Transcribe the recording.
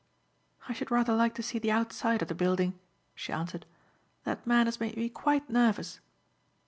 "I should rather like to see the outside of the building," she answered. "That man has made me quite nervous."